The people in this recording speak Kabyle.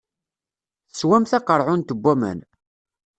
Teswam taqeṛɛunt n waman.